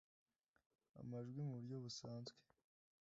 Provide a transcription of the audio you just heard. amajwi mu buryo busanzwe